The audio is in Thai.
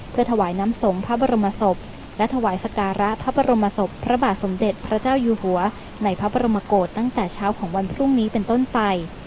เพื่อถวายน้ำสงฆ์พระบรมศพและถวายสการะพระบรมศพพระบาทสมเด็จพระเจ้าอยู่หัวในพระบรมกฏตั้งแต่เช้าของวันพรุ่งนี้เป็นต้นไป